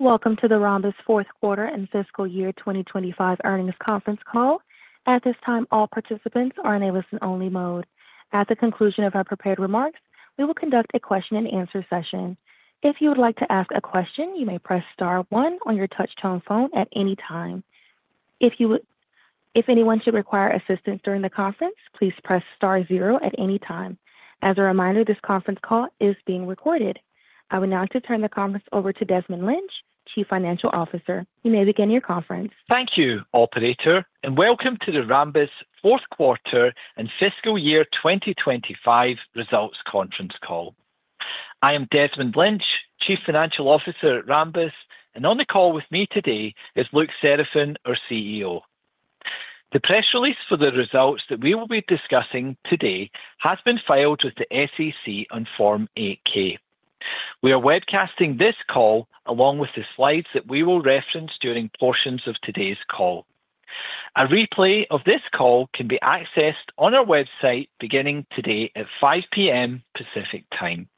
Welcome to the Rambus fourth quarter and fiscal year 2025 earnings conference call. At this time, all participants are in a listen-only mode. At the conclusion of our prepared remarks, we will conduct a question-and-answer session. If you would like to ask a question, you may press star one on your touch-tone phone at any time. If anyone should require assistance during the conference, please press star zero at any time. As a reminder, this conference call is being recorded. I would now like to turn the conference over to Desmond Lynch, Chief Financial Officer. You may begin your conference. Thank you, operator, and welcome to the Rambus fourth quarter and fiscal year 2025 results conference call. I am Desmond Lynch, Chief Financial Officer at Rambus, and on the call with me today is Luc Seraphin, our CEO. The press release for the results that we will be discussing today has been filed with the SEC on Form 8-K. We are webcasting this call along with the slides that we will reference during portions of today's call. A replay of this call can be accessed on our website beginning today at 5 P.M. Pacific Time.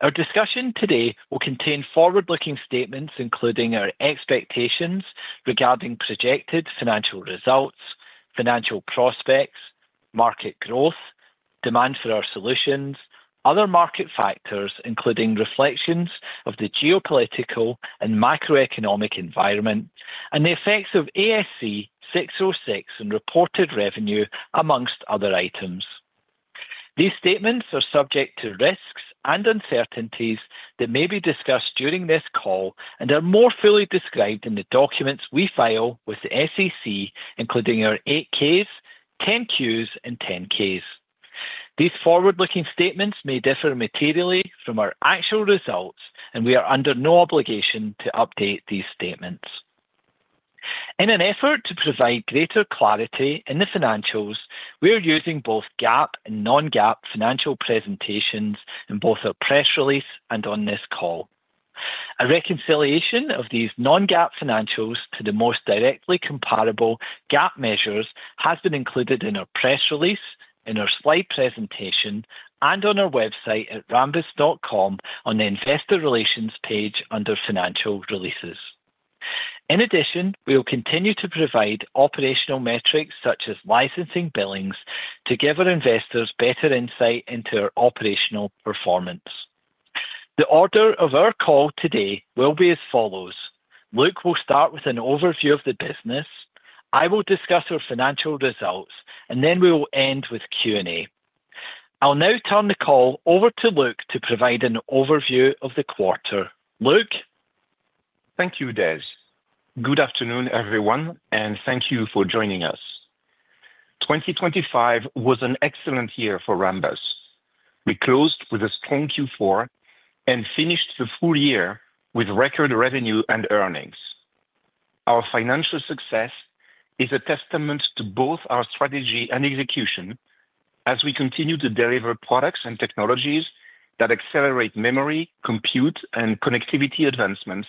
Our discussion today will contain forward-looking statements, including our expectations regarding projected financial results, financial prospects, market growth, demand for our solutions, other market factors, including reflections of the geopolitical and macroeconomic environment, and the effects of ASC 606 and reported revenue, amongst other items. These statements are subject to risks and uncertainties that may be discussed during this call and are more fully described in the documents we file with the SEC, including our 8-Ks, 10-Qs, and 10-Ks. These forward-looking statements may differ materially from our actual results, and we are under no obligation to update these statements. In an effort to provide greater clarity in the financials, we are using both GAAP and non-GAAP financial presentations in both our press release and on this call. A reconciliation of these non-GAAP financials to the most directly comparable GAAP measures has been included in our press release, in our slide presentation, and on our website at rambus.com on the Investor Relations page under Financial Releases. In addition, we will continue to provide operational metrics such as licensing billings to give our investors better insight into our operational performance. The order of our call today will be as follows: Luc will start with an overview of the business, I will discuss our financial results, and then we will end with Q&A. I'll now turn the call over to Luc to provide an overview of the quarter. Luc? Thank you, Des. Good afternoon, everyone, and thank you for joining us. 2025 was an excellent year for Rambus. We closed with a strong Q4 and finished the full year with record revenue and earnings. Our financial success is a testament to both our strategy and execution as we continue to deliver products and technologies that accelerate memory, compute, and connectivity advancements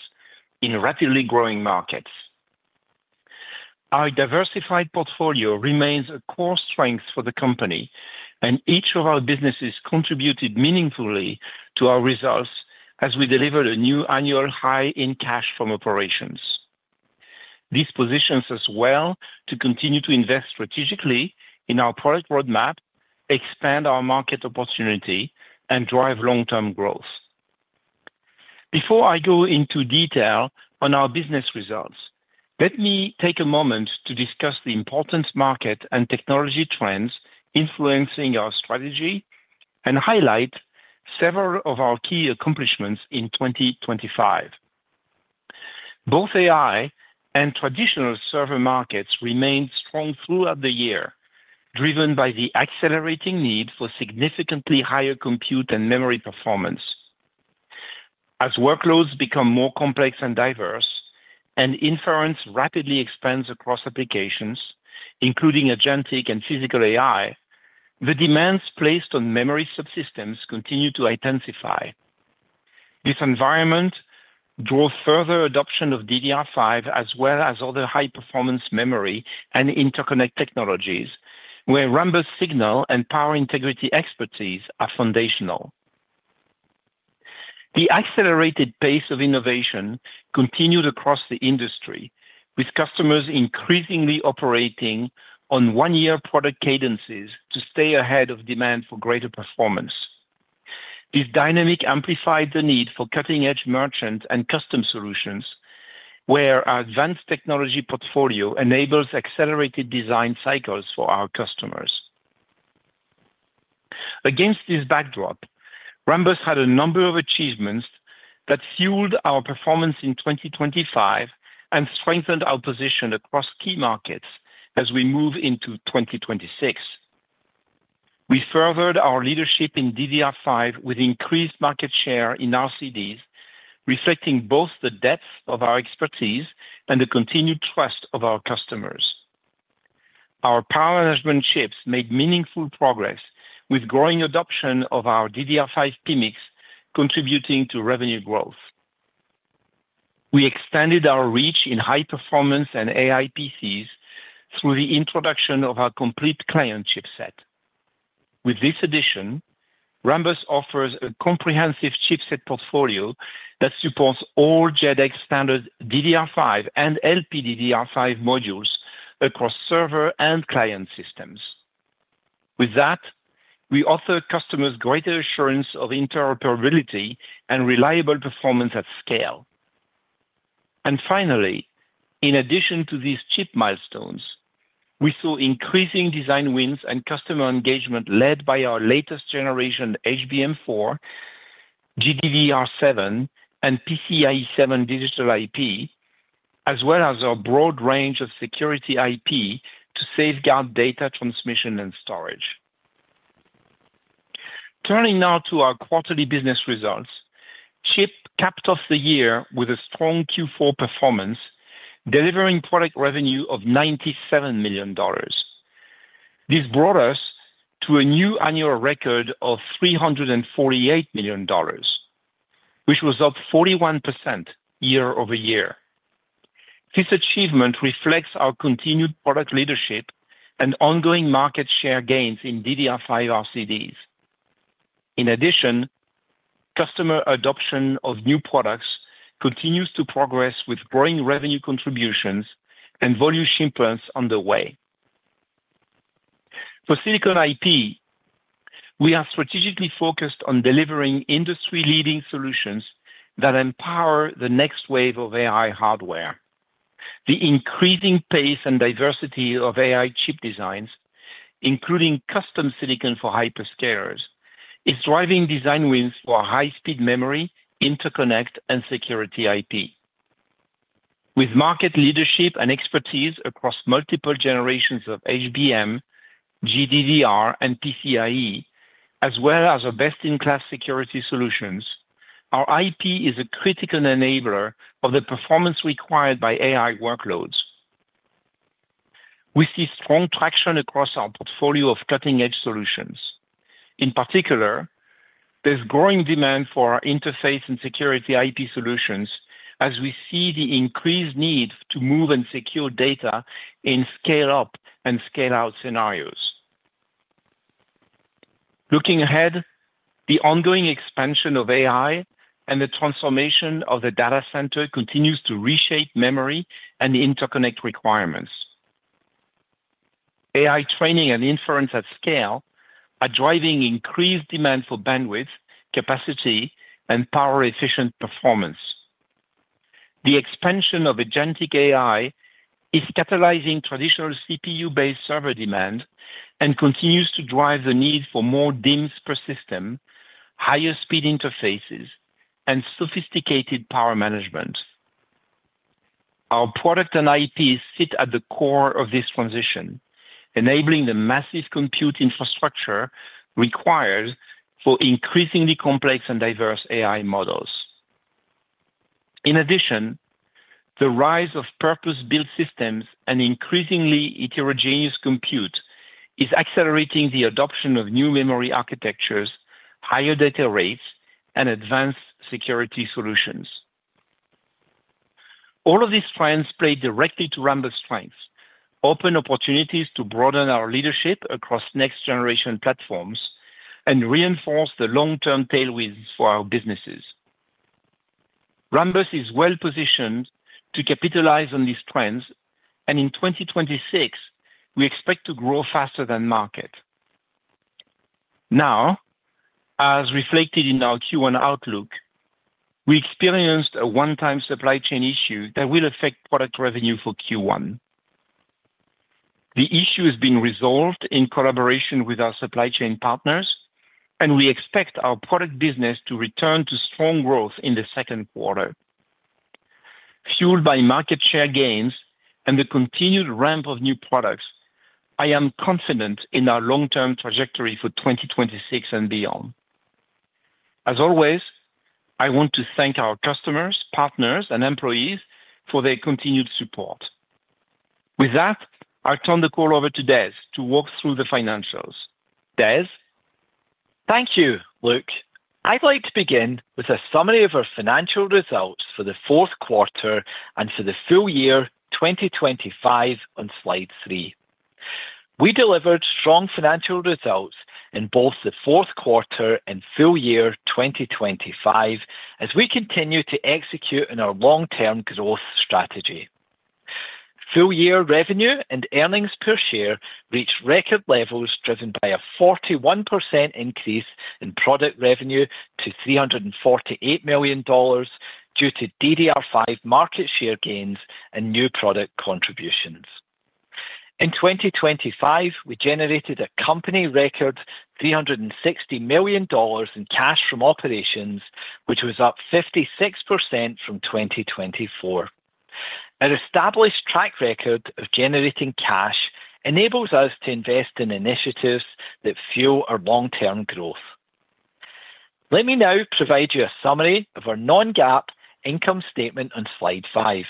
in rapidly growing markets. Our diversified portfolio remains a core strength for the company, and each of our businesses contributed meaningfully to our results as we delivered a new annual high in cash from operations. This positions us well to continue to invest strategically in our product roadmap, expand our market opportunity, and drive long-term growth. Before I go into detail on our business results, let me take a moment to discuss the important market and technology trends influencing our strategy and highlight several of our key accomplishments in 2025. Both AI and traditional server markets remained strong throughout the year, driven by the accelerating need for significantly higher compute and memory performance. As workloads become more complex and diverse and inference rapidly expands across applications, including agentic and physical AI, the demands placed on memory subsystems continue to intensify. This environment drove further adoption of DDR5, as well as other high-performance memory and interconnect technologies, where Rambus signal and power integrity expertise are foundational. The accelerated pace of innovation continued across the industry, with customers increasingly operating on one-year product cadences to stay ahead of demand for greater performance. This dynamic amplified the need for cutting-edge merchant and custom solutions, where our advanced technology portfolio enables accelerated design cycles for our customers. Against this backdrop, Rambus had a number of achievements that fueled our performance in 2025 and strengthened our position across key markets as we move into 2026. We furthered our leadership in DDR5 with increased market share in RCDs, reflecting both the depth of our expertise and the continued trust of our customers. Our power management chips made meaningful progress with growing adoption of our DDR5 PMICs, contributing to revenue growth. We extended our reach in high performance and AI PCs through the introduction of our complete client chipset.... With this addition, Rambus offers a comprehensive chipset portfolio that supports all JEDEC standard DDR5 and LPDDR5 modules across server and client systems. With that, we offer customers greater assurance of interoperability and reliable performance at scale. And finally, in addition to these chip milestones, we saw increasing design wins and customer engagement led by our latest generation, HBM4, GDDR7, and PCIe 7 digital IP, as well as our broad range of security IP to safeguard data transmission and storage. Turning now to our quarterly business results. Rambus capped off the year with a strong Q4 performance, delivering product revenue of $97 million. This brought us to a new annual record of $348 million, which was up 41% year-over-year. This achievement reflects our continued product leadership and ongoing market share gains in DDR5 RCDs. In addition, customer adoption of new products continues to progress with growing revenue contributions and volume shipments on the way. For Silicon IP, we are strategically focused on delivering industry-leading solutions that empower the next wave of AI hardware. The increasing pace and diversity of AI chip designs, including custom silicon for hyperscalers, is driving design wins for high-speed memory, interconnect, and security IP. With market leadership and expertise across multiple generations of HBM, GDDR, and PCIe, as well as our best-in-class security solutions, our IP is a critical enabler of the performance required by AI workloads. We see strong traction across our portfolio of cutting-edge solutions. In particular, there's growing demand for our interface and security IP solutions as we see the increased need to move and secure data in scale-up and scale-out scenarios. Looking ahead, the ongoing expansion of AI and the transformation of the data center continues to reshape memory and interconnect requirements. AI training and inference at scale are driving increased demand for bandwidth, capacity, and power-efficient performance. The expansion of agentic AI is catalyzing traditional CPU-based server demand and continues to drive the need for more DIMMs per system, higher speed interfaces, and sophisticated power management. Our product and IP sit at the core of this transition, enabling the massive compute infrastructure required for increasingly complex and diverse AI models. In addition, the rise of purpose-built systems and increasingly heterogeneous compute is accelerating the adoption of new memory architectures, higher data rates, and advanced security solutions. All of these trends play directly to Rambus' strength, open opportunities to broaden our leadership across next-generation platforms, and reinforce the long-term tailwinds for our businesses. Rambus is well positioned to capitalize on these trends, and in 2026, we expect to grow faster than market. Now, as reflected in our Q1 outlook, we experienced a one-time supply chain issue that will affect product revenue for Q1. The issue is being resolved in collaboration with our supply chain partners, and we expect our product business to return to strong growth in the second quarter. Fueled by market share gains and the continued ramp of new products, I am confident in our long-term trajectory for 2026 and beyond. As always, I want to thank our customers, partners, and employees for their continued support. With that, I'll turn the call over to Des to walk through the financials. Des? Thank you, Luc. I'd like to begin with a summary of our financial results for the fourth quarter and for the full year 2025 on Slide 3. We delivered strong financial results in both the fourth quarter and full year 2025 as we continue to execute on our long-term growth strategy. Full year revenue and earnings per share reached record levels, driven by a 41% increase in product revenue to $348 million due to DDR5 market share gains and new product contributions. In 2025, we generated a company record, $360 million in cash from operations, which was up 56% from 2024. An established track record of generating cash enables us to invest in initiatives that fuel our long-term growth. Let me now provide you a summary of our non-GAAP income statement on Slide 5.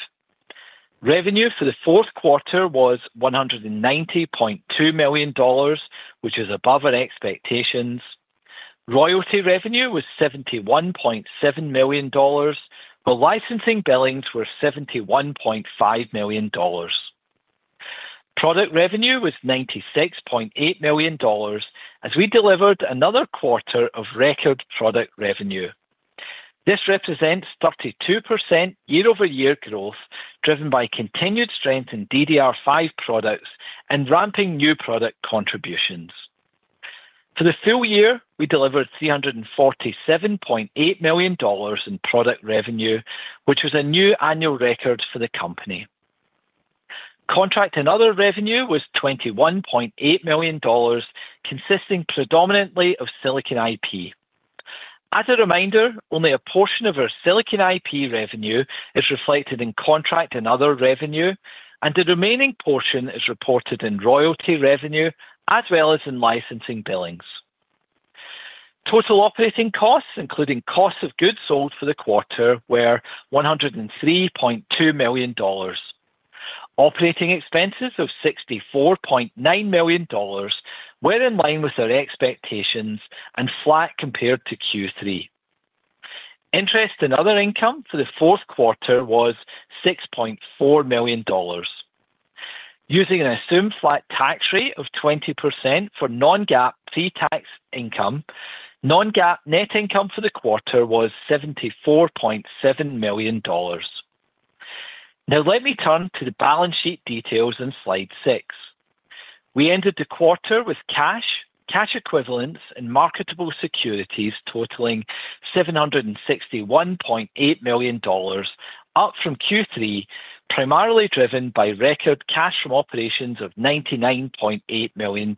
Revenue for the fourth quarter was $190.2 million, which is above our expectations. Royalty revenue was $71.7 million, while licensing billings were $71.5 million. Product revenue was $96.8 million, as we delivered another quarter of record product revenue. This represents 32% year-over-year growth, driven by continued strength in DDR5 products and ramping new product contributions. For the full year, we delivered $347.8 million in product revenue, which was a new annual record for the company. Contract and other revenue was $21.8 million, consisting predominantly of silicon IP. As a reminder, only a portion of our silicon IP revenue is reflected in contract and other revenue, and the remaining portion is reported in royalty revenue as well as in licensing billings. Total operating costs, including costs of goods sold for the quarter, were $103.2 million. Operating expenses of $64.9 million were in line with our expectations and flat compared to Q3. Interest and other income for the fourth quarter was $6.4 million. Using an assumed flat tax rate of 20% for non-GAAP pre-tax income, non-GAAP net income for the quarter was $74.7 million. Now let me turn to the balance sheet details on Slide 6. We ended the quarter with cash, cash equivalents, and marketable securities totaling $761.8 million, up from Q3, primarily driven by record cash from operations of $99.8 million.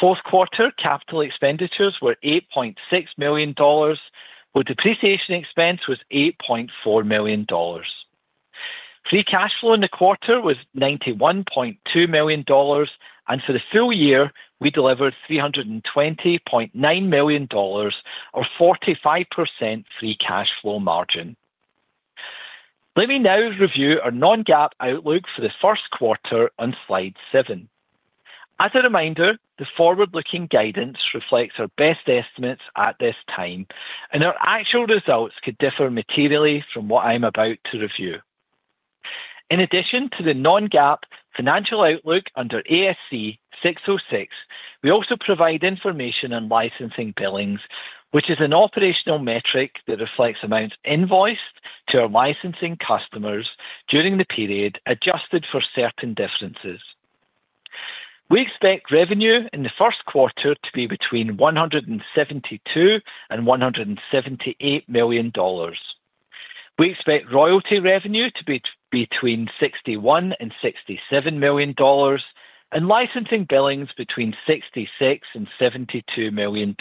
Fourth quarter capital expenditures were $8.6 million, while depreciation expense was $8.4 million. Free cash flow in the quarter was $91.2 million, and for the full year, we delivered $320.9 million or 45% free cash flow margin. Let me now review our non-GAAP outlook for the first quarter on Slide 7. As a reminder, the forward-looking guidance reflects our best estimates at this time, and our actual results could differ materially from what I'm about to review. In addition to the non-GAAP financial outlook under ASC 606, we also provide information on licensing billings, which is an operational metric that reflects amounts invoiced to our licensing customers during the period, adjusted for certain differences. We expect revenue in the first quarter to be between $172 million and $178 million. We expect royalty revenue to be between $61 million and $67 million and licensing billings between $66 million and $72 million.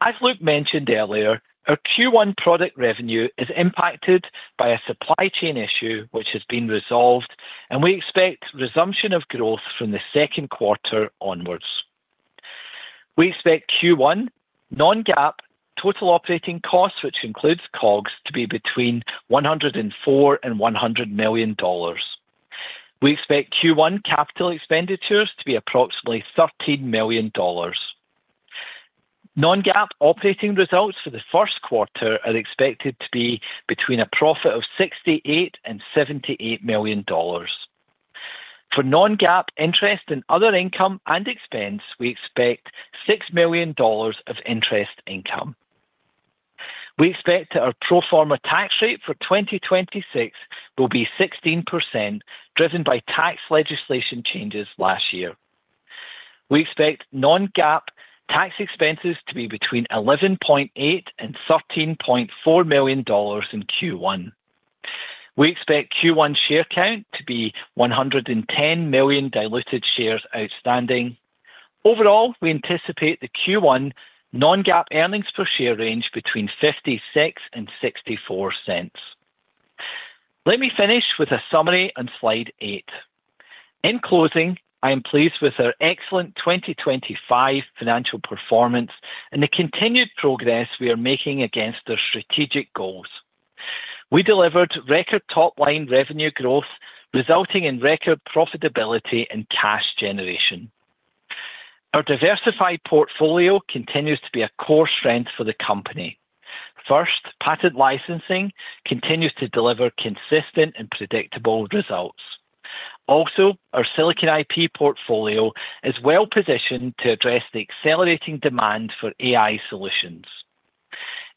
As Luc mentioned earlier, our Q1 product revenue is impacted by a supply chain issue, which has been resolved, and we expect resumption of growth from the second quarter onwards. We expect Q1 non-GAAP total operating costs, which includes COGS, to be between $104 million and $100 million. We expect Q1 capital expenditures to be approximately $13 million. Non-GAAP operating results for the first quarter are expected to be between a profit of $68 million and $78 million. For non-GAAP interest and other income and expense, we expect $6 million of interest income. We expect that our pro forma tax rate for 2026 will be 16%, driven by tax legislation changes last year. We expect non-GAAP tax expenses to be between $11.8 million and $13.4 million in Q1. We expect Q1 share count to be 110 million diluted shares outstanding. Overall, we anticipate the Q1 non-GAAP earnings per share range between $0.56 and $0.64. Let me finish with a summary on Slide 8. In closing, I am pleased with our excellent 2025 financial performance and the continued progress we are making against our strategic goals. We delivered record top-line revenue growth, resulting in record profitability and cash generation. Our diversified portfolio continues to be a core strength for the company. First, patent licensing continues to deliver consistent and predictable results. Also, our silicon IP portfolio is well-positioned to address the accelerating demand for AI solutions.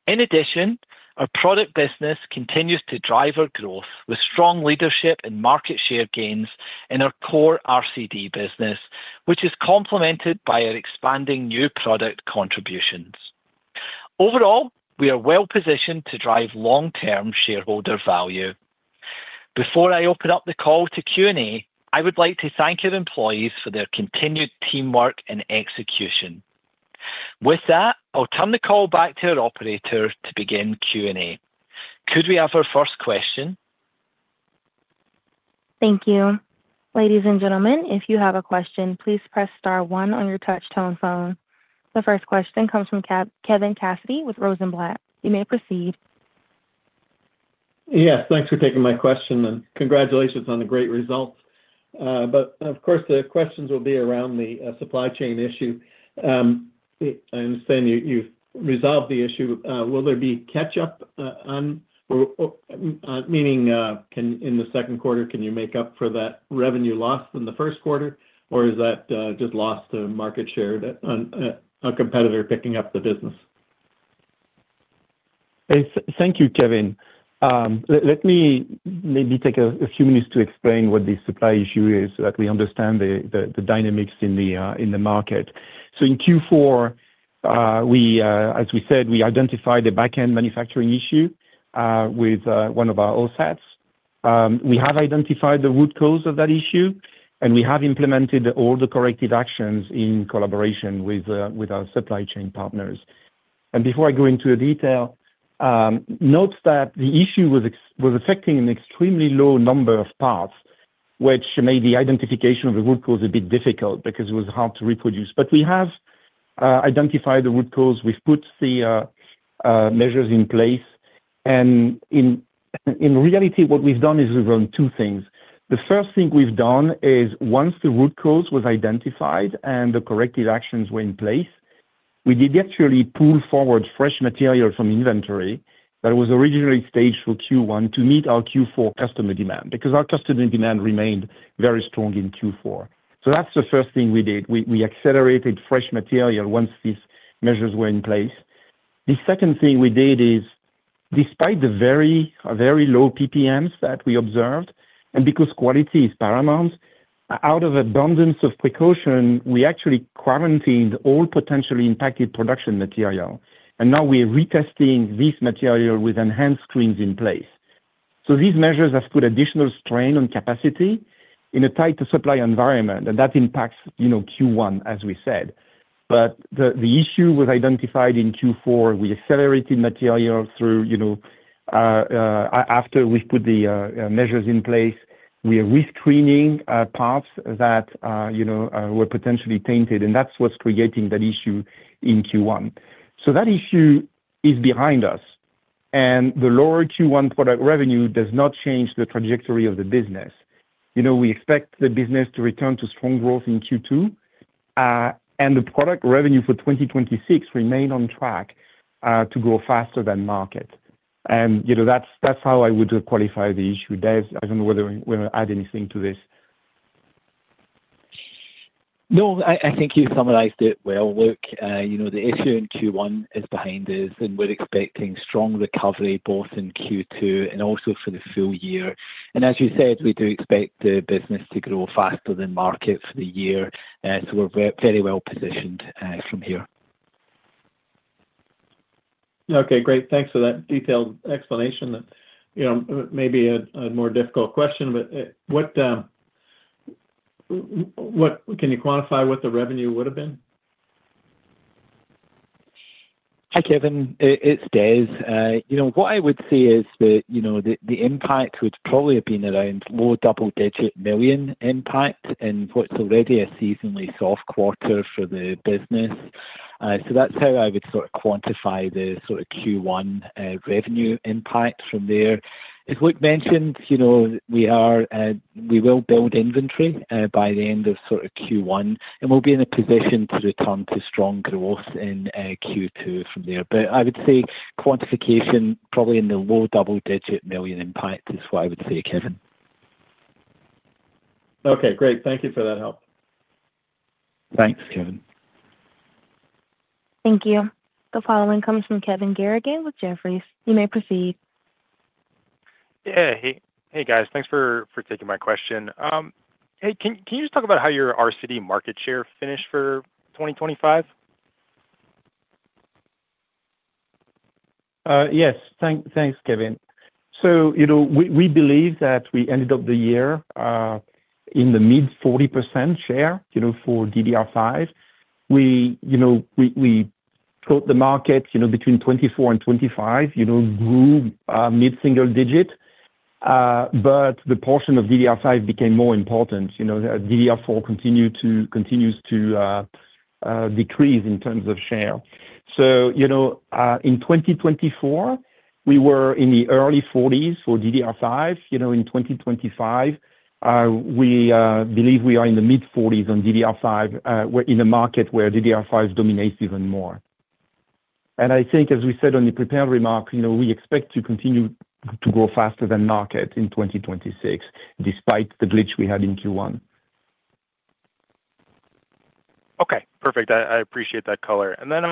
In addition, our product business continues to drive our growth with strong leadership and market share gains in our core RCD business, which is complemented by our expanding new product contributions. Overall, we are well-positioned to drive long-term shareholder value. Before I open up the call to Q&A, I would like to thank our employees for their continued teamwork and execution. With that, I'll turn the call back to our operator to begin Q&A. Could we have our first question? Thank you. Ladies and gentlemen, if you have a question, please press star one on your touch-tone phone. The first question comes from Kevin Cassidy with Rosenblatt. You may proceed. Yes, thanks for taking my question, and congratulations on the great results. But of course, the questions will be around the supply chain issue. I understand you've resolved the issue. Will there be catch up in the second quarter, meaning can you make up for that revenue loss in the first quarter, or is that just lost to market share that on a competitor picking up the business? Thank you, Kevin. Let me maybe take a few minutes to explain what the supply issue is, so that we understand the dynamics in the market. So in Q4, as we said, we identified a back-end manufacturing issue with one of our OSATs. We have identified the root cause of that issue, and we have implemented all the corrective actions in collaboration with our supply chain partners. And before I go into the detail, note that the issue was affecting an extremely low number of parts, which made the identification of the root cause a bit difficult because it was hard to reproduce. But we have identified the root cause. We've put the measures in place, and in reality, what we've done is we've done two things. The first thing we've done is once the root cause was identified and the corrective actions were in place, we did actually pull forward fresh material from inventory that was originally staged for Q1 to meet our Q4 customer demand, because our customer demand remained very strong in Q4. So that's the first thing we did. We accelerated fresh material once these measures were in place. The second thing we did is, despite the very, very low PPMs that we observed, and because quality is paramount, out of an abundance of caution, we actually quarantined all potentially impacted production material. And now we're retesting this material with enhanced screens in place. So these measures have put additional strain on capacity in a tighter supply environment, and that impacts, you know, Q1, as we said. But the issue was identified in Q4. We accelerated material through, you know, after we've put the measures in place. We are rescreening parts that, you know, were potentially tainted, and that's what's creating that issue in Q1. So that issue is behind us, and the lower Q1 product revenue does not change the trajectory of the business. You know, we expect the business to return to strong growth in Q2, and the product revenue for 2026 remain on track to grow faster than market. And, you know, that's, that's how I would qualify the issue. Des, I don't know whether you want to add anything to this. No, I think you summarized it well, Luc. You know, the issue in Q1 is behind us, and we're expecting strong recovery both in Q2 and also for the full year. And as you said, we do expect the business to grow faster than market for the year, so we're very well positioned, from here. Okay, great. Thanks for that detailed explanation. You know, maybe a more difficult question, but what can you quantify what the revenue would have been? Hi, Kevin, it's Des. You know, what I would say is that, you know, the impact would probably have been around low double-digit million impact in what's already a seasonally soft quarter for the business. So that's how I would sort of quantify the sort of Q1 revenue impact from there. As Luc mentioned, you know, we will build inventory by the end of sort of Q1, and we'll be in a position to return to strong growth in Q2 from there. But I would say quantification, probably in the low double-digit million impact is what I would say, Kevin. Okay, great. Thank you for that help. Thanks, Kevin. Thank you. The following comes from Kevin Garrigan with Jefferies. You may proceed. Yeah. Hey, guys. Thanks for taking my question. Hey, can you just talk about how your RCD market share finished for 2025? Yes. Thanks, Kevin. So, you know, we believe that we ended up the year in the mid-40% share, you know, for DDR5. We, you know, we thought the market, you know, between 2024 and 2025, you know, grew mid-single-digit, but the portion of DDR5 became more important. You know, DDR4 continues to decrease in terms of share. So, you know, in 2024, we were in the early 40s for DDR5. You know, in 2025, we believe we are in the mid-40s on DDR5, we're in a market where DDR5 dominates even more. And I think as we said on the prepared remarks, you know, we expect to continue to grow faster than market in 2026, despite the glitch we had in Q1. Okay, perfect. I appreciate that color. And then,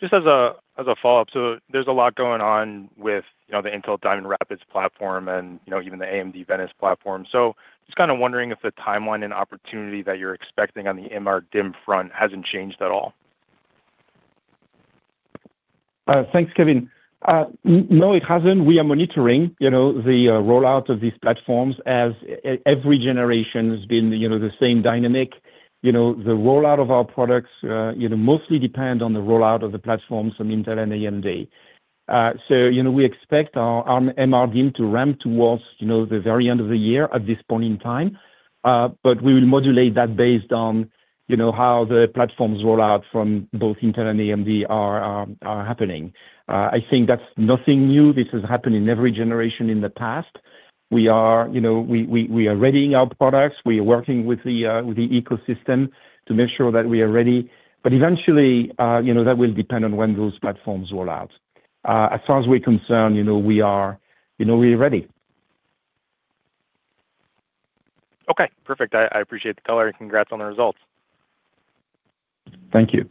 just as a follow-up, so there's a lot going on with, you know, the Intel Diamond Rapids platform and, you know, even the AMD Venice platform. So just kind of wondering if the timeline and opportunity that you're expecting on the MRDIMM front hasn't changed at all? Thanks, Kevin. No, it hasn't. We are monitoring, you know, the rollout of these platforms, as every generation has been, you know, the same dynamic. You know, the rollout of our products, you know, mostly depend on the rollout of the platforms from Intel and AMD. So, you know, we expect our MRDIMM to ramp towards, you know, the very end of the year at this point in time. But we will modulate that based on, you know, how the platforms roll out from both Intel and AMD are happening. I think that's nothing new. This has happened in every generation in the past. We are, you know, readying our products. We are working with the ecosystem to make sure that we are ready. But eventually, you know, that will depend on when those platforms roll out. As far as we're concerned, you know, we are, you know, we're ready. Okay, perfect. I, I appreciate the color, and congrats on the results. Thank you.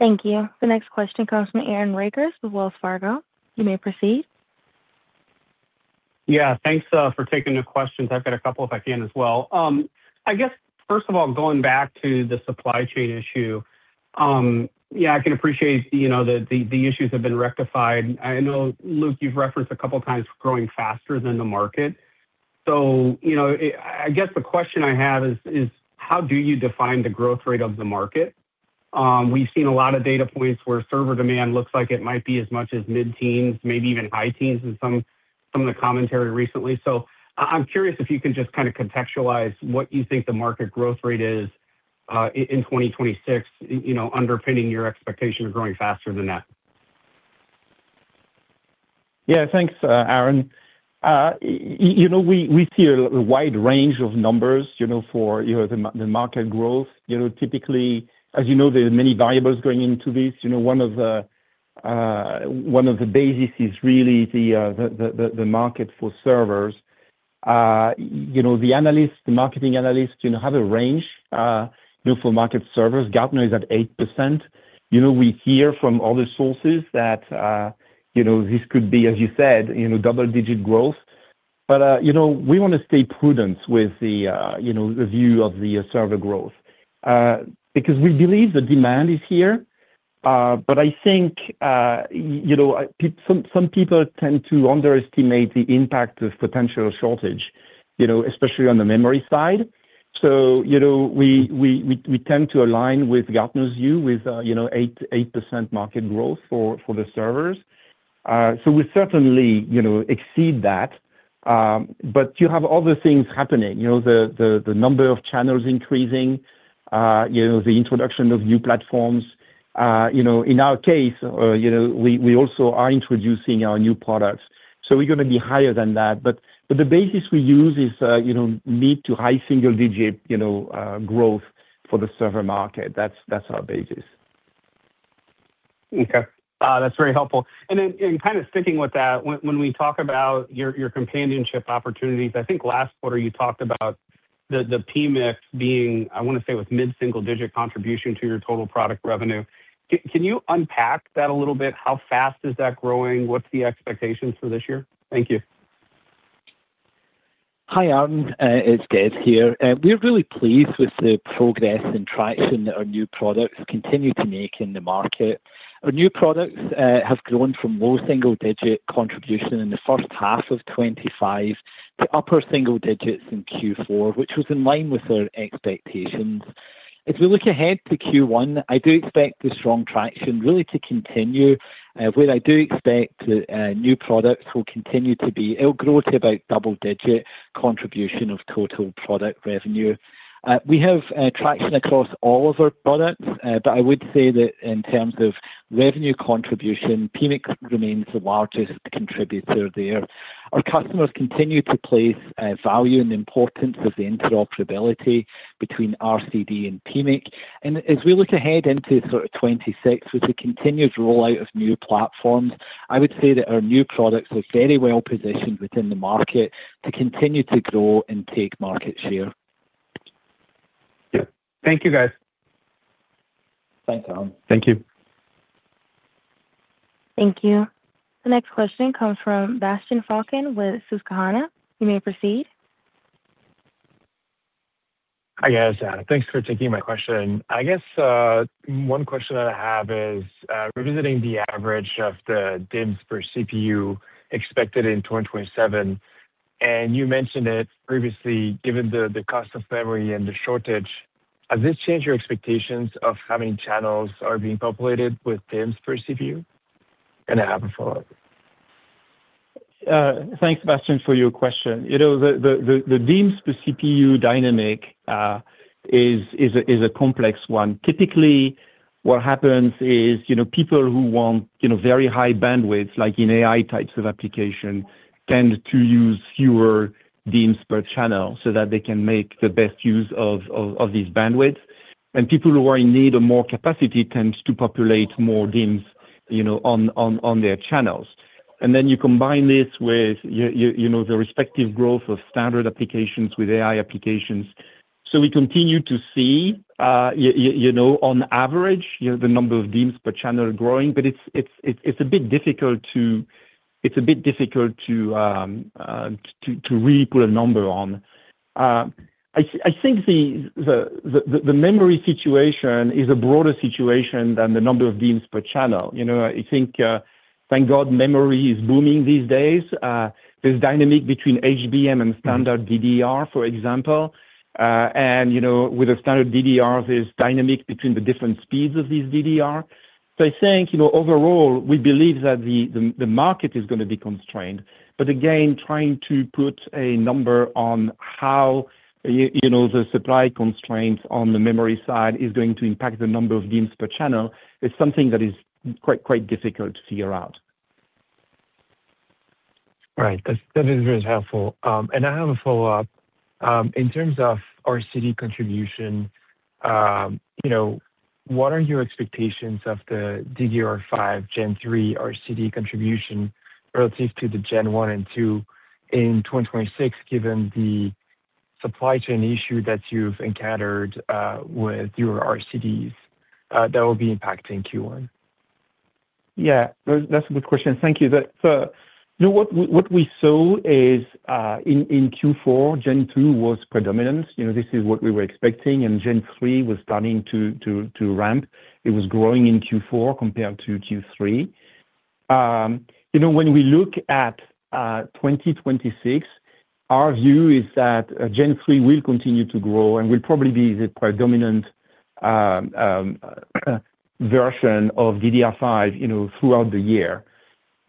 Thank you. The next question comes from Aaron Rakers with Wells Fargo. You may proceed. Yeah, thanks, for taking the questions. I've got a couple, if I can, as well. I guess, first of all, going back to the supply chain issue, yeah, I can appreciate, you know, the issues have been rectified. I know, Luc, you've referenced a couple of times growing faster than the market. So, you know, I guess the question I have is: how do you define the growth rate of the market? We've seen a lot of data points where server demand looks like it might be as much as mid-teens, maybe even high teens in some of the commentary recently. So I'm curious if you can just kind of contextualize what you think the market growth rate is, in 2026, you know, underpinning your expectation of growing faster than that. Yeah, thanks, Aaron. You know, we see a wide range of numbers, you know, for the market growth. You know, typically, as you know, there are many variables going into this. You know, one of the basics is really the market for servers. You know, the analysts, the marketing analysts, you know, have a range, you know, for market servers. Gartner is at 8%. You know, we hear from other sources that, you know, this could be, as you said, you know, double-digit growth. But, you know, we wanna stay prudent with the, you know, the view of the server growth, because we believe the demand is here. But I think you know some people tend to underestimate the impact of potential shortage, you know, especially on the memory side. So you know we tend to align with Gartner's view, with you know 8% market growth for the servers. So we certainly you know exceed that. But you have other things happening. You know the number of channels increasing you know the introduction of new platforms. You know in our case you know we also are introducing our new products, so we're gonna be higher than that. But the basis we use is you know mid- to high-single-digit you know growth for the server market. That's our basis. Okay. That's very helpful. And then, kind of sticking with that, when we talk about your companion chip opportunities, I think last quarter you talked about the PMIC being, I wanna say, with mid-single-digit contribution to your total product revenue. Can you unpack that a little bit? How fast is that growing? What's the expectations for this year? Thank you. Hi, Aaron, it's Des here. We're really pleased with the progress and traction that our new products continue to make in the market. Our new products have grown from low single-digit contribution in the first half of 2025 to upper single digits in Q4, which was in line with our expectations. As we look ahead to Q1, I do expect the strong traction really to continue, where I do expect the new products will continue to be... It'll grow to about double-digit contribution of total product revenue. We have traction across all of our products, but I would say that in terms of revenue contribution, PMIC remains the largest contributor there. Our customers continue to place value in the importance of the interoperability between RCD and PMIC. As we look ahead into sort of 2026, with the continued rollout of new platforms, I would say that our new products are very well positioned within the market to continue to grow and take market share. Yeah. Thank you, guys. Thanks, Aaron. Thank you. Thank you. The next question comes from Bastien Faucon with Susquehanna. You may proceed. Hi, guys. Thanks for taking my question. I guess, one question that I have is, revisiting the average of the DIMMs per CPU expected in 2027, and you mentioned it previously, given the cost of memory and the shortage, has this changed your expectations of how many channels are being populated with DIMMs per CPU? And I have a follow-up. Thanks, Bastien, for your question. You know, the DIMMs per CPU dynamic is a complex one. Typically, what happens is, you know, people who want, you know, very high bandwidth, like in AI types of application, tend to use fewer DIMMs per channel so that they can make the best use of these bandwidth. And people who are in need of more capacity tends to populate more DIMMs, you know, on their channels. And then you combine this with you know, the respective growth of standard applications with AI applications. So we continue to see, you know, on average, you know, the number of DIMMs per channel growing, but it's a bit difficult to... It's a bit difficult to, to really put a number on. I think the memory situation is a broader situation than the number of DIMMs per channel. You know, I think, thank God memory is booming these days. There's dynamic between HBM and standard DDR, for example.... And, you know, with a standard DDR, there's dynamic between the different speeds of these DDR. So I think, you know, overall, we believe that the market is gonna be constrained. But again, trying to put a number on how, you know, the supply constraints on the memory side is going to impact the number of DIMMs per channel is something that is quite, quite difficult to figure out. Right. That's, that is very helpful. And I have a follow-up. In terms of RCD contribution, you know, what are your expectations of the DDR5 Gen 3 RCD contribution relative to the Gen 1 and 2 in 2026, given the supply chain issue that you've encountered with your RCDs that will be impacting Q1? Yeah, that's a good question. Thank you. You know, what we saw is, in Q4, Gen 2 was predominant. You know, this is what we were expecting, and Gen 3 was starting to ramp. It was growing in Q4 compared to Q3. You know, when we look at 2026, our view is that Gen 3 will continue to grow and will probably be the predominant version of DDR5, you know, throughout the year.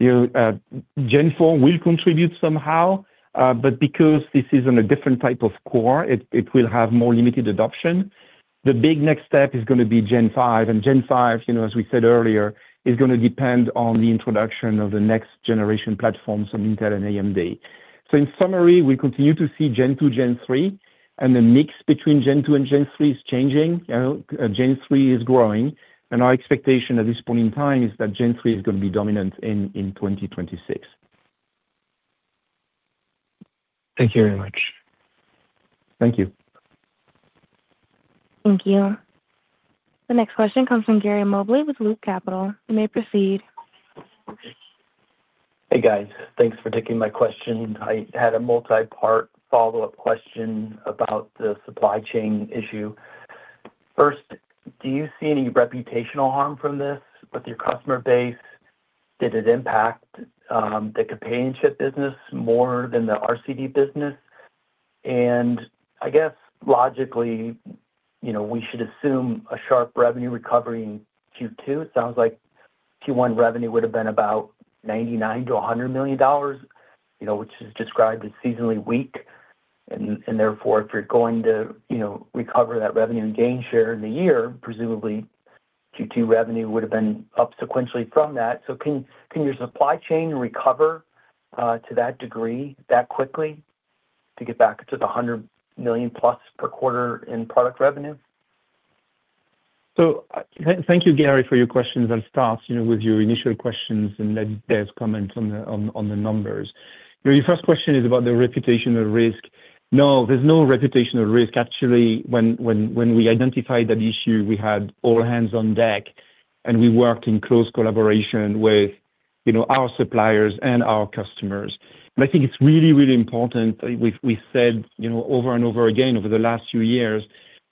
You know, Gen 4 will contribute somehow, but because this is on a different type of core, it will have more limited adoption. The big next step is gonna be Gen 5, and Gen 5, you know, as we said earlier, is gonna depend on the introduction of the next generation platforms from Intel and AMD. So in summary, we continue to see Gen 2, Gen 3, and the mix between Gen 2 and Gen 3 is changing. You know, Gen 3 is growing, and our expectation at this point in time is that Gen 3 is gonna be dominant in 2026. Thank you very much. Thank you. Thank you. The next question comes from Gary Mobley with Loop Capital. You may proceed. Hey, guys. Thanks for taking my question. I had a multipart follow-up question about the supply chain issue. First, do you see any reputational harm from this with your customer base? Did it impact the companion chip business more than the RCD business? I guess logically, you know, we should assume a sharp revenue recovery in Q2. It sounds like Q1 revenue would have been about $99 million-$100 million, you know, which is described as seasonally weak, and therefore, if you're going to, you know, recover that revenue and gain share in the year, presumably Q2 revenue would have been up sequentially from that. So can your supply chain recover to that degree, that quickly, to get back to the $100 million+ per quarter in product revenue? So thank you, Gary, for your questions. I'll start, you know, with your initial questions and then Des comment on the numbers. Your first question is about the reputational risk. No, there's no reputational risk. Actually, when we identified that issue, we had all hands on deck, and we worked in close collaboration with, you know, our suppliers and our customers. And I think it's really, really important. We said, you know, over and over again over the last few years,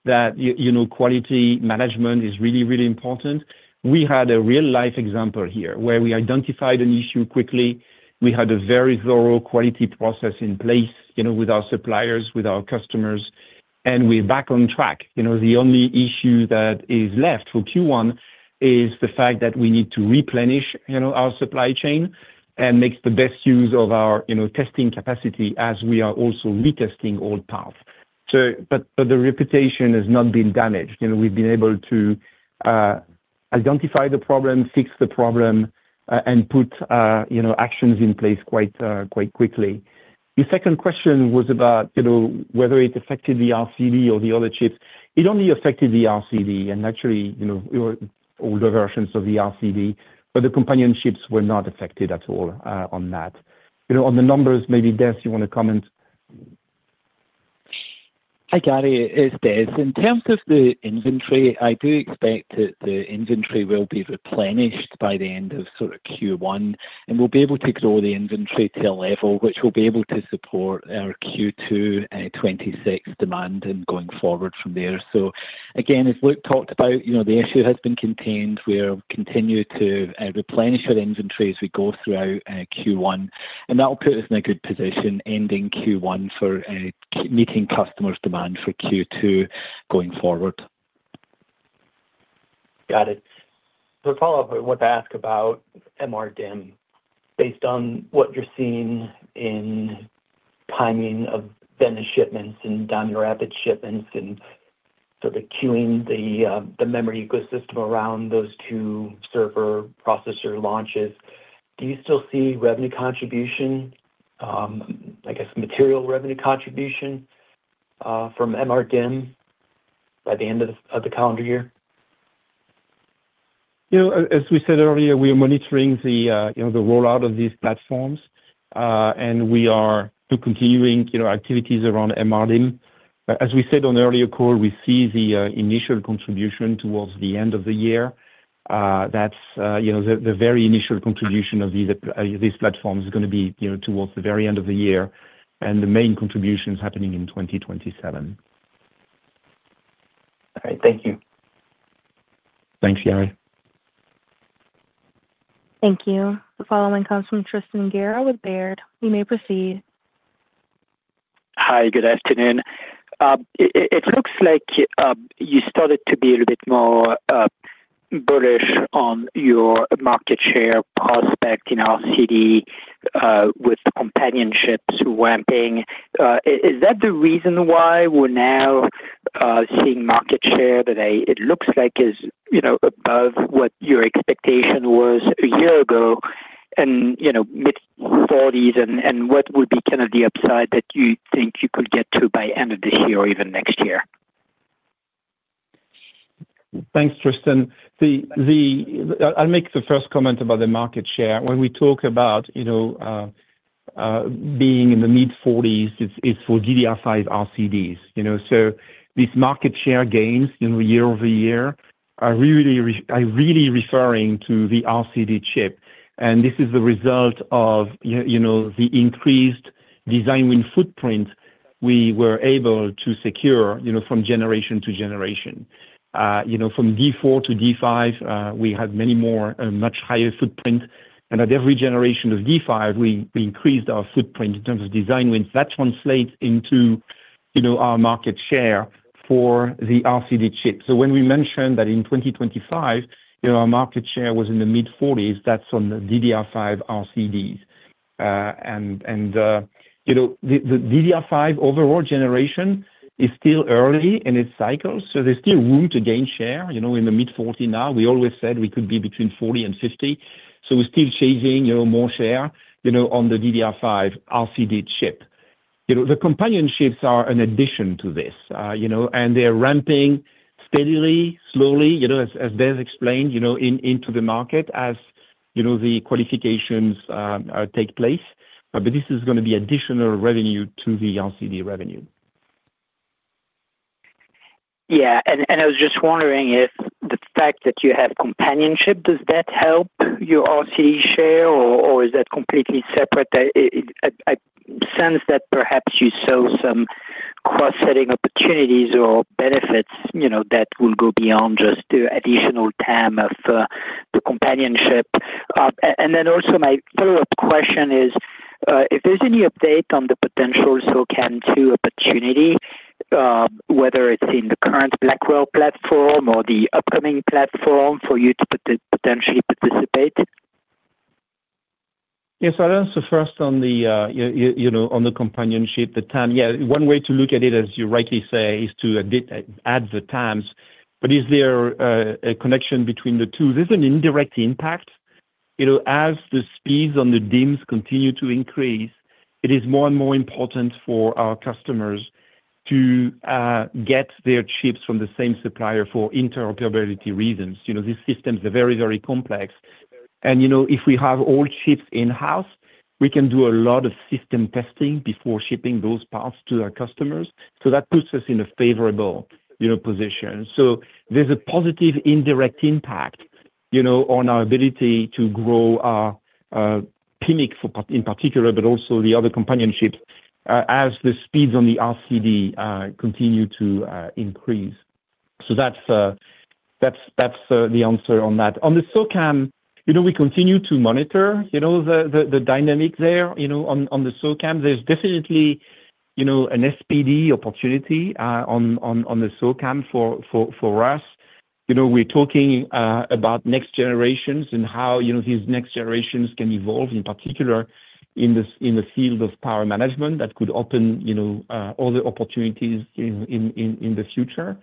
that you know, quality management is really, really important. We had a real-life example here, where we identified an issue quickly. We had a very thorough quality process in place, you know, with our suppliers, with our customers, and we're back on track. You know, the only issue that is left for Q1 is the fact that we need to replenish, you know, our supply chain and make the best use of our, you know, testing capacity as we are also retesting old parts. So, but the reputation has not been damaged. You know, we've been able to identify the problem, fix the problem, and put, you know, actions in place quite quickly. The second question was about, you know, whether it affected the RCD or the other chips. It only affected the RCD and actually, you know, older versions of the RCD, but the companion chips were not affected at all on that. You know, on the numbers, maybe, Des, you want to comment? Hi, Gary, it's Des. In terms of the inventory, I do expect that the inventory will be replenished by the end of sort of Q1, and we'll be able to grow the inventory to a level which will be able to support our Q2, 2026 demand and going forward from there. So again, as Luc talked about, you know, the issue has been contained. We'll continue to replenish our inventory as we go throughout Q1, and that will put us in a good position ending Q1 for meeting customers' demand for Q2 going forward. Got it. So follow-up, I want to ask about MRDIMM. Based on what you're seeing in timing of Venice shipments and Diamond Rapids shipments, and so the queuing, the memory ecosystem around those two server processor launches, do you still see revenue contribution, I guess, material revenue contribution, from MRDIMM by the end of the calendar year? You know, as we said earlier, we are monitoring the, you know, the rollout of these platforms, and we are still continuing, you know, activities around MRDIMM. As we said on the earlier call, we see the initial contribution towards the end of the year. That's, you know, the, the very initial contribution of these, these platforms is gonna be, you know, towards the very end of the year, and the main contribution is happening in 2027. All right. Thank you. Thanks, Gary. Thank you. The following comes from Tristan Gerra with Baird. You may proceed. Hi, good afternoon. It looks like you started to be a little bit more bullish on your market share prospect in RCD with the companion chips ramping. Is that the reason why we're now seeing market share that it looks like is, you know, above what your expectation was a year ago, and, you know, mid-40s, and what would be kind of the upside that you think you could get to by end of this year or even next year? Thanks, Tristan. I'll make the first comment about the market share. When we talk about, you know, being in the mid-40s, it's for DDR5 RCDs. You know, so these market share gains, you know, year-over-year, are really referring to the RCD chip. And this is the result of you know, the increased design win footprint we were able to secure, you know, from generation to generation. You know, from D4 to D5, we had many more, much higher footprint. And at every generation of D5, we increased our footprint in terms of design wins. That translates into, you know, our market share for the RCD chip. So when we mentioned that in 2025, you know, our market share was in the mid-40s, that's on the DDR5 RCDs. And you know, the DDR5 overall generation is still early in its cycle, so there's still room to gain share, you know, in the mid-40 now. We always said we could be between 40 and 50, so we're still chasing, you know, more share, you know, on the DDR5 RCD chip. You know, the companion chips are an addition to this, you know, and they're ramping steadily, slowly, you know, as Des explained, you know, into the market, as you know, the qualifications take place. But this is gonna be additional revenue to the RCD revenue. Yeah. And I was just wondering if the fact that you have companion chip, does that help your RCD share, or is that completely separate? I sense that perhaps you saw some cross-selling opportunities or benefits, you know, that will go beyond just the additional TAM of the companion chip. And then also my follow-up question is, if there's any update on the potential CAMM2 opportunity, whether it's in the current Blackwell platform or the upcoming platform for you to potentially participate? Yes, I'll answer first on the, you know, on the complementarity, the TAM. Yeah, one way to look at it, as you rightly say, is to add the TAMs. But is there a connection between the two? There's an indirect impact. You know, as the speeds on the DIMMs continue to increase, it is more and more important for our customers to get their chips from the same supplier for interoperability reasons. You know, these systems are very, very complex. And, you know, if we have all chips in-house, we can do a lot of system testing before shipping those parts to our customers. So that puts us in a favorable, you know, position. So there's a positive indirect impact, you know, on our ability to grow our PMIC, in particular, but also the other companion chips, as the speeds on the RCD continue to increase. So that's the answer on that. On the CAMM, you know, we continue to monitor, you know, the dynamic there, you know, on the CAMM. There's definitely, you know, an SPD opportunity on the CAMM for us. You know, we're talking about next generations and how, you know, these next generations can evolve, in particular, in this, in the field of power management. That could open, you know, other opportunities in the future.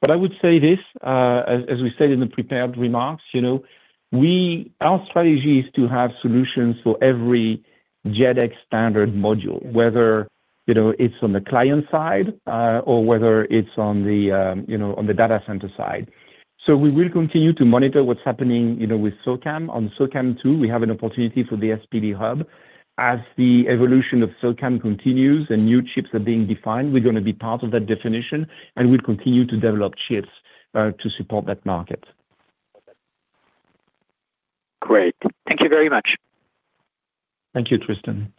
But I would say this, as we said in the prepared remarks, you know, our strategy is to have solutions for every JEDEC standard module, whether, you know, it's on the client side, or whether it's on the, you know, on the data center side. So we will continue to monitor what's happening, you know, with CAMM2. On CAMM2, we have an opportunity for the SPD Hub. As the evolution of CAMM2 continues and new chips are being defined, we're gonna be part of that definition, and we'll continue to develop chips, to support that market. Great. Thank you very much. Thank you, Tristan.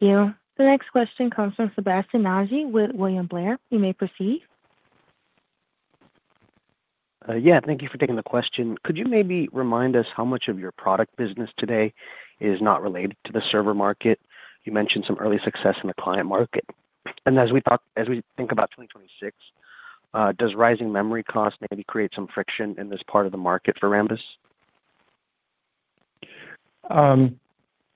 Thank you. The next question comes from Sebastien Naji with William Blair. You may proceed. Yeah, thank you for taking the question. Could you maybe remind us how much of your product business today is not related to the server market? You mentioned some early success in the client market. And as we think about 2026, does rising memory cost maybe create some friction in this part of the market for Rambus?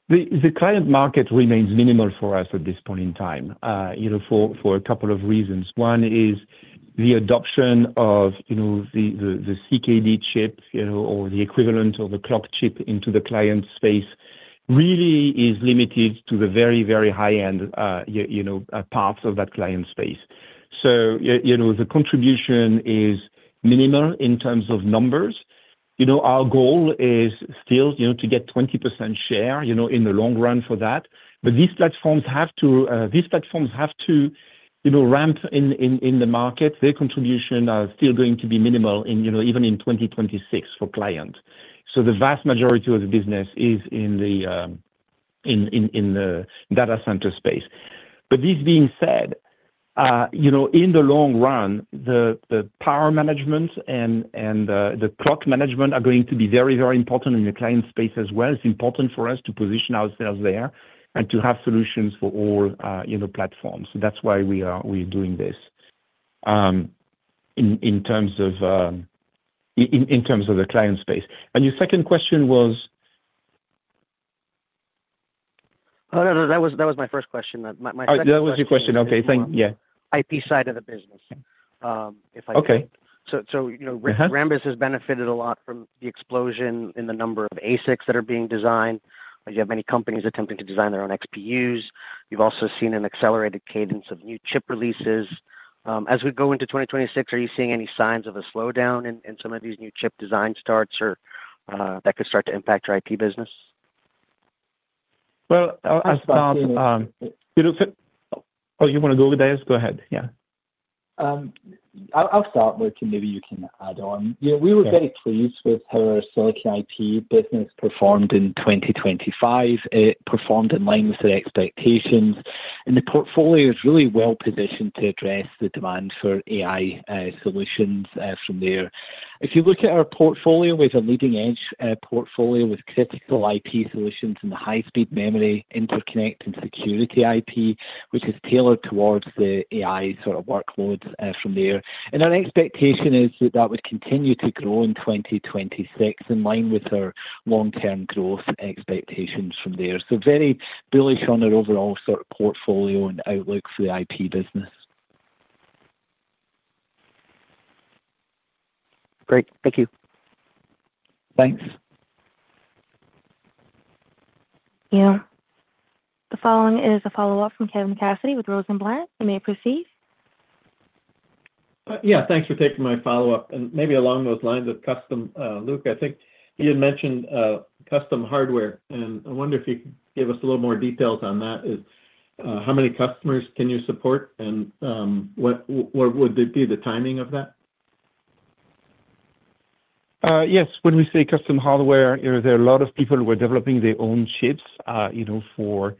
The client market remains minimal for us at this point in time, you know, for a couple of reasons. One is the adoption of, you know, the CKD chip, you know, or the equivalent of the clock chip into the client space, really is limited to the very, very high-end, you know, parts of that client space. So you know, the contribution is minimal in terms of numbers. You know, our goal is still, you know, to get 20% share, you know, in the long run for that. But these platforms have to, you know, ramp in the market. Their contribution are still going to be minimal, you know, even in 2026 for client. So the vast majority of the business is in the data center space. But this being said, you know, in the long run, the power management and the clock management are going to be very, very important in the client space as well. It's important for us to position ourselves there and to have solutions for all, you know, platforms. So that's why we are-- we're doing this. In terms of the client space. And your second question was? Oh, no, no, that was, that was my first question. My, my second question- Oh, that was your question. Okay, thank you. Yeah. IP side of the business, if I may. Okay. So, you know— Uh-huh. Rambus has benefited a lot from the explosion in the number of ASICs that are being designed. You have many companies attempting to design their own XPUs. You've also seen an accelerated cadence of new chip releases. As we go into 2026, are you seeing any signs of a slowdown in some of these new chip design starts or that could start to impact your IP business? Well, I'll start. You know... Oh, you wanna go with this? Go ahead. Yeah. I'll start, Luc, and maybe you can add on. Yeah, we were very pleased with how our silicon IP business performed in 2025. It performed in line with the expectations, and the portfolio is really well positioned to address the demand for AI solutions from there. If you look at our portfolio, with a leading-edge portfolio with critical IP solutions and the high-speed memory, interconnect and security IP, which is tailored towards the AI sort of workloads from there. And our expectation is that that would continue to grow in 2026, in line with our long-term growth expectations from there. So very bullish on our overall sort of portfolio and outlook for the IP business. Great. Thank you. Thanks. Yeah. The following is a follow-up from Kevin Cassidy with Rosenblatt. You may proceed. Yeah, thanks for taking my follow-up. And maybe along those lines of custom, Luc, I think you had mentioned custom hardware, and I wonder if you could give us a little more details on that. Is how many customers can you support, and what would be the timing of that? Yes. When we say custom hardware, you know, there are a lot of people who are developing their own chips, you know, for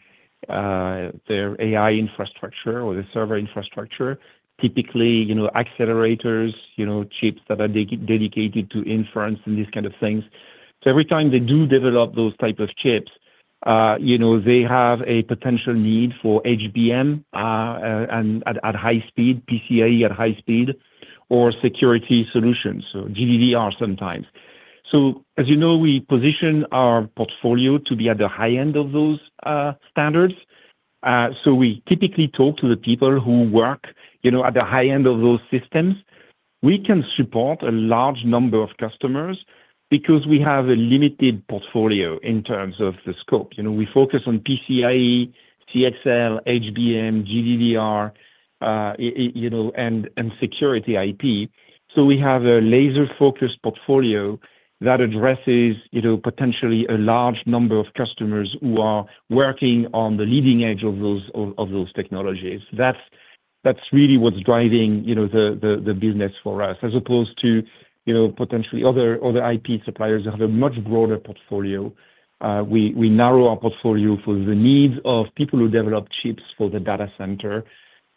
their AI infrastructure or their server infrastructure. Typically, you know, accelerators, you know, chips that are dedicated to inference and these kind of things. So every time they do develop those type of chips, you know, they have a potential need for HBM, and at high speed, PCIe at high speed, or security solutions, so GDDR sometimes. So, as you know, we position our portfolio to be at the high end of those standards. So we typically talk to the people who work, you know, at the high end of those systems. We can support a large number of customers because we have a limited portfolio in terms of the scope. You know, we focus on PCIe, CXL, HBM, GDDR, you know, and security IP. So we have a laser-focused portfolio that addresses, you know, potentially a large number of customers who are working on the leading edge of those technologies. That's really what's driving, you know, the business for us, as opposed to, you know, potentially other IP suppliers who have a much broader portfolio. We narrow our portfolio for the needs of people who develop chips for the data center,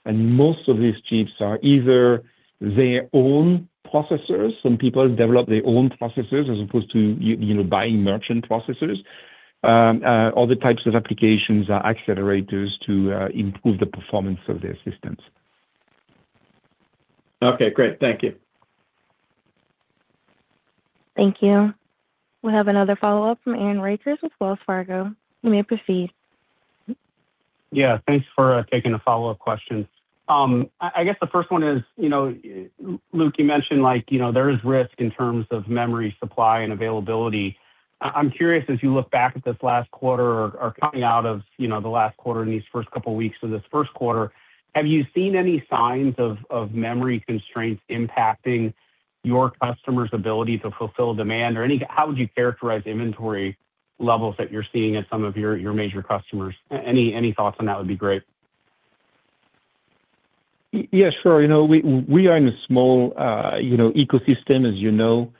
and most of these chips are either their own processors, some people develop their own processors as opposed to you know, buying merchant processors. Other types of applications are accelerators to improve the performance of their systems. Okay, great. Thank you. Thank you. We have another follow-up from Aaron Rakers with Wells Fargo. You may proceed. Yeah, thanks for taking the follow-up questions. I guess the first one is, you know, Luc, you mentioned like, you know, there is risk in terms of memory supply and availability. I'm curious, as you look back at this last quarter or coming out of, you know, the last quarter in these first couple of weeks of this first quarter, have you seen any signs of memory constraints impacting your customers' ability to fulfill demand? Or any—how would you characterize inventory levels that you're seeing at some of your major customers? Any thoughts on that would be great. Yes, sure. You know, we are in a small, you know, ecosystem, as you know.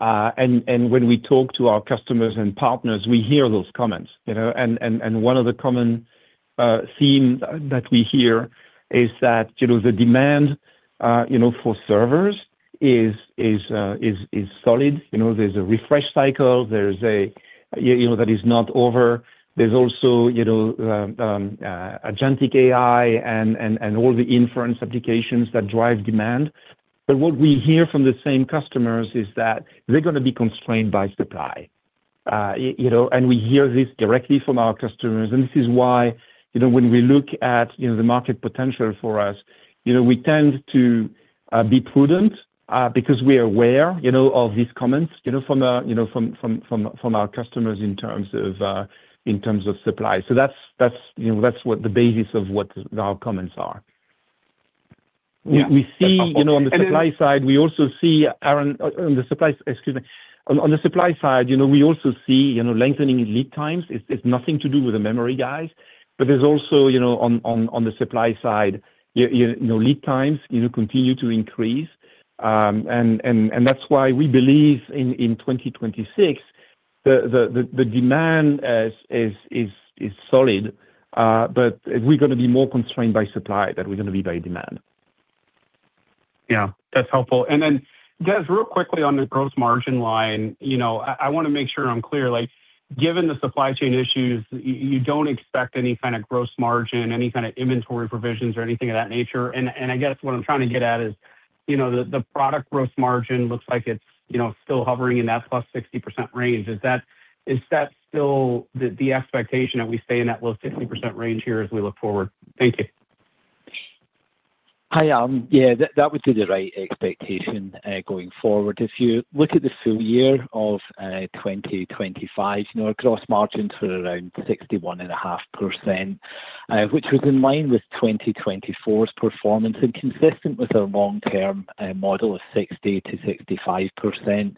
And when we talk to our customers and partners, we hear those comments, you know? And one of the common theme that we hear is that, you know, the demand, you know, for servers is solid. You know, there's a refresh cycle, there's a, you know, that is not over. There's also, you know, agentic AI and all the inference applications that drive demand. But what we hear from the same customers is that they're gonna be constrained by supply. You know, and we hear this directly from our customers, and this is why, you know, when we look at, you know, the market potential for us, you know, we tend to be prudent, because we are aware, you know, of these comments, you know, from our customers in terms of supply. So that's what the basis of what our comments are. Yeah. We see, you know, on the supply side, we also see Aaron, on the supply... Excuse me. On the supply side, you know, we also see, you know, lengthening lead times. It's nothing to do with the memory guys, but there's also, you know, on the supply side, you know, lead times, you know, continue to increase. And that's why we believe in 2026 the demand is solid, but we're gonna be more constrained by supply than we're gonna be by demand. Yeah, that's helpful. And then, guys, real quickly on the gross margin line, you know, I wanna make sure I'm clear. Like, given the supply chain issues, you don't expect any kind of gross margin, any kind of inventory provisions or anything of that nature? And I guess what I'm trying to get at is, you know, the product gross margin looks like it's, you know, still hovering in that +60% range. Is that still the expectation that we stay in that low 60% range here as we look forward? Thank you. Hi, yeah, that would be the right expectation going forward. If you look at the full year of 2025, you know, our gross margins were around 61.5%, which was in line with 2024's performance and consistent with our long-term model of 60%-65%.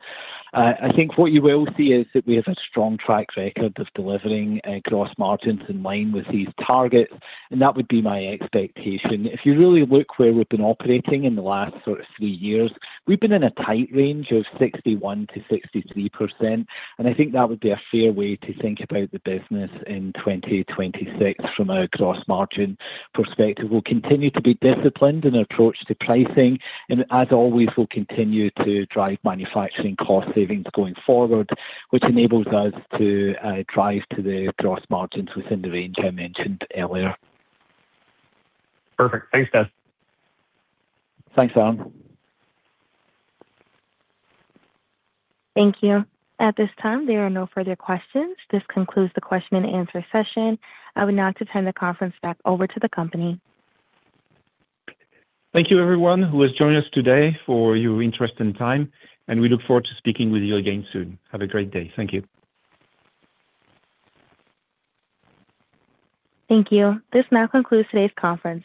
I think what you will see is that we have a strong track record of delivering gross margins in line with these targets, and that would be my expectation. If you really look where we've been operating in the last sort of three years, we've been in a tight range of 61%-63%, and I think that would be a fair way to think about the business in 2026 from a gross margin perspective. We'll continue to be disciplined in our approach to pricing, and as always, we'll continue to drive manufacturing cost savings going forward, which enables us to drive to the gross margins within the range I mentioned earlier. Perfect. Thanks, guys. Thanks, Aaron. Thank you. At this time, there are no further questions. This concludes the question and answer session. I would now like to turn the conference back over to the company. Thank you, everyone, who has joined us today, for your interest and time, and we look forward to speaking with you again soon. Have a great day. Thank you. Thank you. This now concludes today's conference.